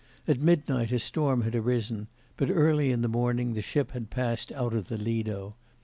At midnight a storm had arisen, but early in the morning the ship had passed out of the Lido.